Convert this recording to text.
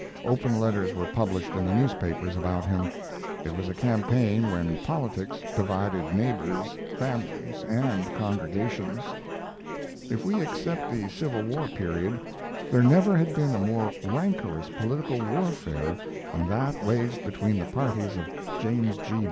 Open letters were published in the newspapers about him. It was a campaign when politics divided neighbors, families, and congregations. If we except the Civil War period, there never had been a more rancorous political warfare than that waged between the parties of James G.